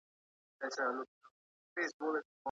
ایا ملي بڼوال وچه الوچه اخلي؟